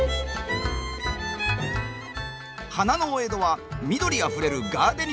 花のお江戸は緑あふれるガーデニングシティー。